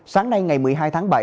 sáng nay ngày một mươi hai tháng bảy